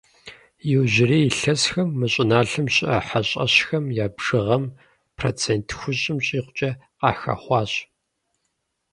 Иужьрей илъэсхэм мы щӀыналъэм щыӀэ хьэщӀэщхэм я бжыгъэм процент тхущӏым щӀигъукӀэ къахэхъуащ.